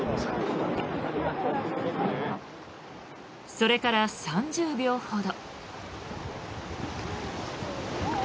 それから３０秒ほど。